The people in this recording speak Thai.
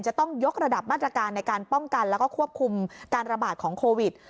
จะต้องยกระดับมาตรการในการป้องกันแล้วก็ควบคุมการระบาดของโควิด